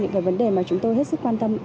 những cái vấn đề mà chúng tôi hết sức quan tâm